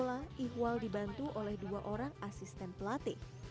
jadwal latihannya hari rambu bumat